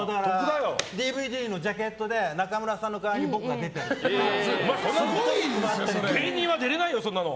ＤＶＤのジャケットで中村さんの代わりに芸人は出れないよ、そんなの。